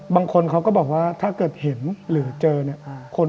บางคนเขาก็บอกว่าถ้าเกิดเห็นหรือเจอเนี่ย